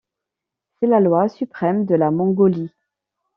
C'est la loi suprême de la Mongolie.